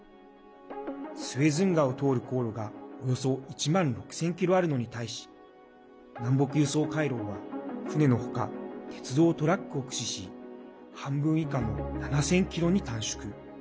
スエズ運河を通る航路がおよそ１万６０００ｋｍあるのに対し南北輸送回廊は船の他、鉄道、トラックを駆使し半分以下の７０００ｋｍに短縮。